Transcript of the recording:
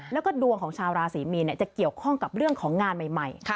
แล้วก็ดวงของชาวราศรีมีนจะเกี่ยวข้องกับเรื่องของงานใหม่